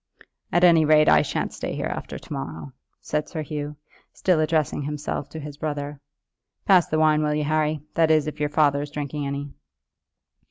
"At any rate I shan't stay here after to morrow," said Sir Hugh, still addressing himself to his brother. "Pass the wine, will you, Harry; that is, if your father is drinking any."